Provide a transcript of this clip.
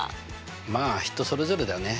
まあ人それぞれだね。